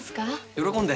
喜んで。